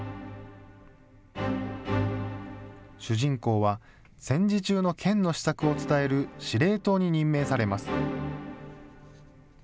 主人公は、戦時中の県の施策を伝える司令塔に任命されます。